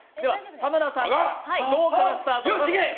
田村さん、ドからスタートです。